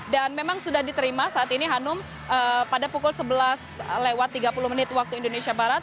dan memang sudah diterima saat ini hanum pada pukul sebelas lewat tiga puluh menit waktu indonesia barat